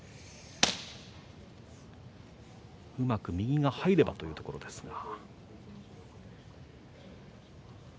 うまく右が入ればというところですが。